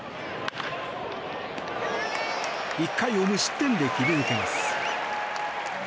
１回を無失点で切り抜けます。